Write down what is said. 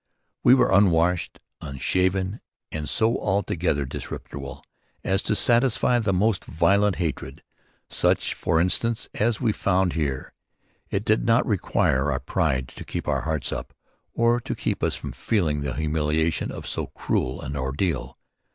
We were unwashed, unshaven and so altogether disreputable as to satisfy the most violent hatred such for instance as we found here. It did not require our pride to keep our hearts up or to keep us from feeling the humiliation of so cruel an ordeal.